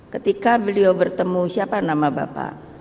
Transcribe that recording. ketika beliau bertemu siapa nama bapak